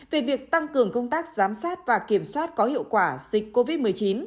về việc tăng cường công tác giám sát và kiểm soát có hiệu quả dịch covid một mươi chín